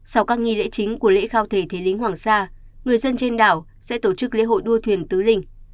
sau các nghi lễ chính của lễ khao thể thế lính hoàng sa người dân trên đảo sẽ tổ chức lễ hội đua thuyền tứ linh